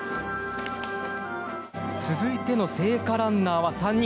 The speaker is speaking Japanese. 続いての聖火ランナーは３人。